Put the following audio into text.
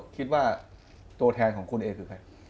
คิดว่าตัวแทนของคุณเอ่ยคือใคร